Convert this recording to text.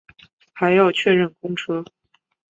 还要确认公车